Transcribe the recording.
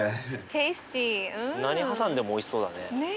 何挟んでもおいしそうだね。